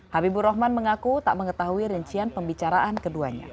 habibur rahman mengaku tak mengetahui rincian pembicaraan keduanya